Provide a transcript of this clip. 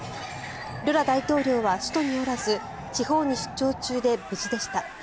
ルラ大統領は首都におらず地方に出張中で無事でした。